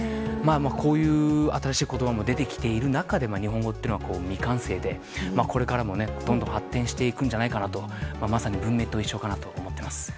こういう新しい言葉も出てきている中で日本語は未完成でこれからどんどん発展していくんじゃないかとまさに文明と一緒かなと思っています。